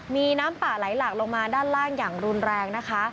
มีน้ำป่าไหลหลากลงมาด้านล่างอย่างรุนแรงนะคะ